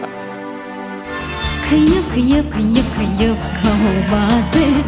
ขยับขยับขยับขยับเข้ามาสิ